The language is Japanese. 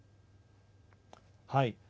はい。